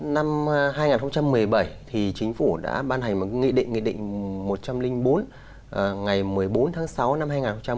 năm hai nghìn một mươi bảy thì chính phủ đã ban hành một nghị định nghị định một trăm linh bốn ngày một mươi bốn tháng sáu năm hai nghìn một mươi bảy